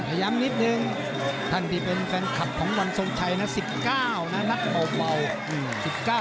ย้ำนิดนึงท่านที่เป็นแฟนคลับของวันทรงชัยนะ๑๙นะนับเบา